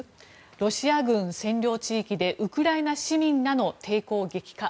ロシア軍占領地域でウクライナ市民らの抵抗激化。